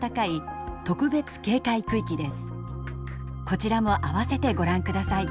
こちらも併せてご覧ください。